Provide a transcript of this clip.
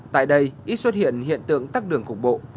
tại đây ít xuất hiện hiện tượng tắt đường cục bộ